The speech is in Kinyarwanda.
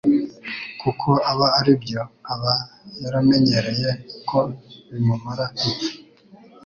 kuko aba aribyo aba yaramenyereye ko bimumara ipfa.